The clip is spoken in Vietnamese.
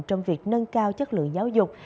trong việc nâng cao chất lượng giáo dục